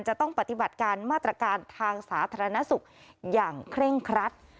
จะต้องปฏิบัติการมาตรการทางสาธารณสุขอย่างเคร่งครัด